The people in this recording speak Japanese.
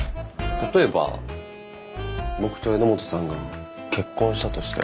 例えば僕と榎本さんが結婚したとして。